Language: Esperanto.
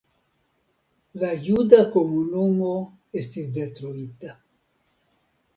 La juda komunumo estis detruita.